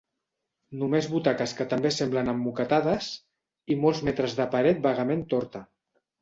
Només butaques que també semblen emmoquetades i molts metres de paret vagament torta.